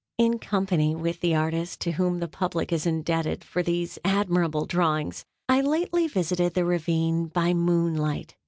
In company with the artist to whom the public is indebted for these admirable drawings, I lately visited the ravine by moonlight.